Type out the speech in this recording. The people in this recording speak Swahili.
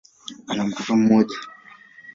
Ana mtoto mmoja.